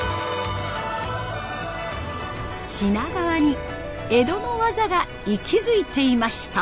品川に江戸の技が息づいていました。